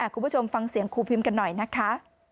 คุณผู้ชมฟังเสียงครูพิมกันหน่อยนะคะ